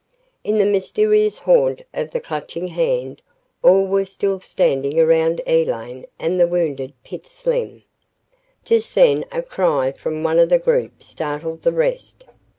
........ In the mysterious haunt of the Clutching Hand, all were still standing around Elaine and the wounded Pitts Slim. Just then a cry from one of the group startled the rest.